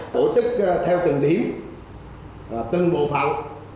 tổ chức theo từng điểm từng bộ phận